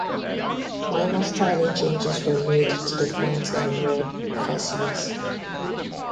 Minor styling changes were made to the front and rear fascias.